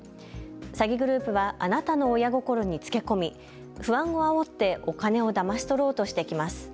詐欺グループはあなたの親心につけ込み、不安をあおってお金をだまし取ろうとしてきます。